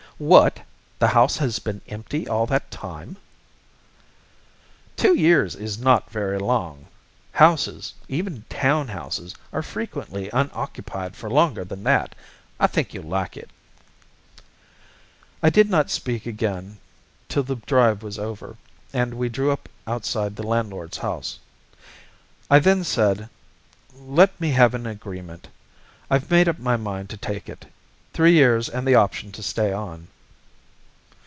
"What! The house has been empty all that time?" "Two years is not very long. Houses even town houses are frequently unoccupied for longer than that. I think you'll like it." I did not speak again till the drive was over, and we drew up outside the landlord's house. I then said, "Let me have an agreement. I've made up my mind to take it. Three years and the option to stay on."